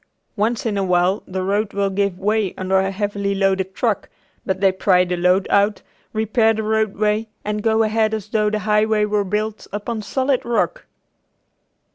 Once in awhile the road will give way under a heavily loaded truck, but they pry the load out, repair the roadway, and go ahead as though the highway were built upon solid rock.